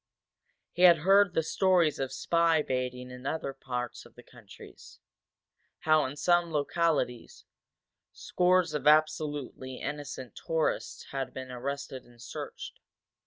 He had heard the stories of spy baiting in other parts of the country; how, in some localities, scores of absolutely innocent tourists had been arrested and searched.